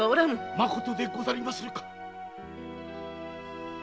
まことでございますか。